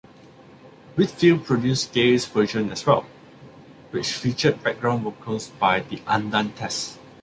Whitfield produced Gaye's version as well, which featured background vocals by The Andantes.